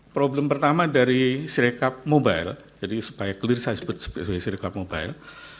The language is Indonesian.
problem pertama dari cirecup mobile jadi supaya clear saya sebut sebagai sirkup mobile